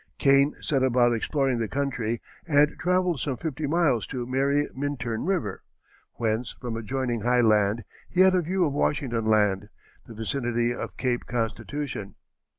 Kane set about exploring the country and travelled some fifty miles to Mary Minturn River, whence from adjoining high land he had a view of Washington land, the vicinity of Cape Constitution.